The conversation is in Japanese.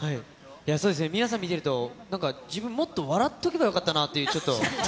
そうですね、皆さん見てると、なんか自分、もっと笑っとけばよかったなって、ちょっと。